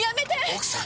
奥さん！